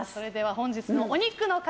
本日のお肉の塊